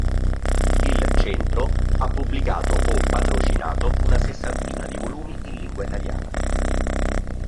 Il Centro ha pubblicato o patrocinato una sessantina di volumi in lingua italiana.